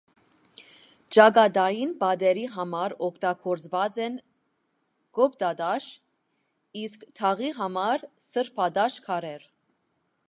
Ճակատային պատերի համար օգտագործված են կոպտատաշ, իսկ թաղի համար՝ սրբատաշ քարեր։